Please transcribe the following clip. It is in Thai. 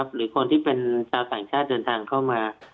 หรือคนที่เป็นชาวต่างชาติเดินทางเข้ามา